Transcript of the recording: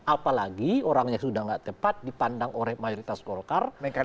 apalagi orangnya sudah tidak tepat dipandang oleh mayoritas golkar